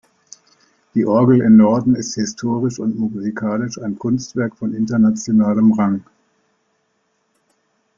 Die Orgel in Norden ist historisch und musikalisch ein Kunstwerk von internationalem Rang.